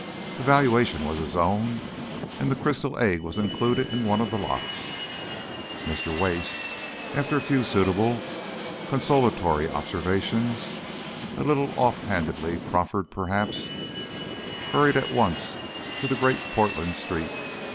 The valuation was his own and the crystal egg was included in one of the lots. Mr. Wace, after a few suitable consolatory observations, a little off handedly proffered perhaps, hurried at once to Great Portland Street.